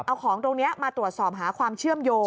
เอาของตรงนี้มาตรวจสอบหาความเชื่อมโยง